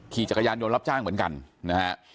ขี่จักรยานยนต์รับจ้างเหมือนกันนะฮะ